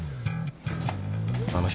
あの人